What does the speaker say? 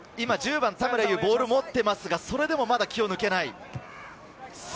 田村優がボールを持っていますが、それでも気を抜けない。